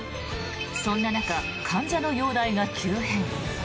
そんな中、患者の容体が急変。